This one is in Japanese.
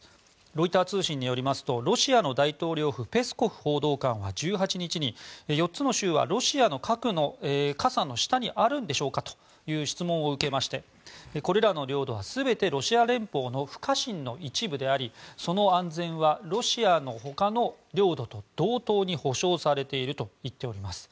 ロイター通信によりますとロシアの大統領府ペスコフ報道官は１８日に４つの州はロシアの核の傘の下にあるんでしょうか？という質問を受けましてこれらの領土は全てロシア連邦の不可侵の一部でありその安全はロシアのほかの領土と同等に保証されていると言っております。